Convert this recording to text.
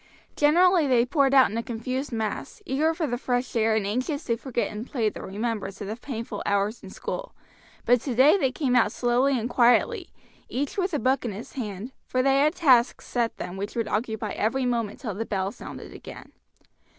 Generally they poured out in a confused mass, eager for the fresh air and anxious to forget in play the remembrance of the painful hours in school; but today they came out slowly and quietly, each with a book in his hand, for they had tasks set them which would occupy every moment till the bell sounded again.